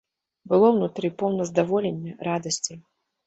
Было ўнутры поўна здаволення, радасці.